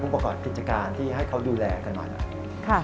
ประกอบกิจการที่ให้เขาดูแลกันหน่อย